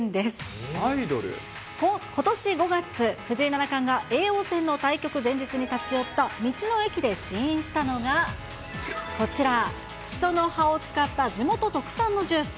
ことし５月、藤井七冠が叡王戦の対局前日に立ち寄った道の駅で試飲したのがこちら、しその葉を使った地元特産のジュース。